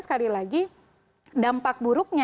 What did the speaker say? sekali lagi dampak buruknya